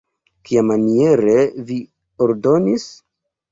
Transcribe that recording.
Kiamaniere vi ordonis?